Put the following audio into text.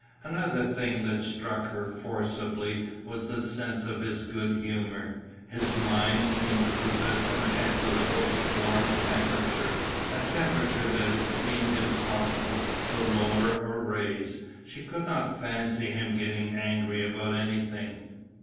Another thing that struck her forcibly was the sense of his good humour. His mind seemed to possess an equable warm temperature, a temperature that it seemed impossible to lower or raise. She could not fancy him getting angry about anything.